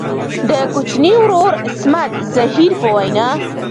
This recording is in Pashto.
د کوچني ورور عصمت زهیر په وینا.